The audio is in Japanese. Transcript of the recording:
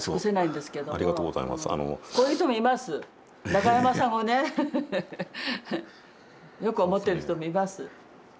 中村さんをねよく思ってる人もいます。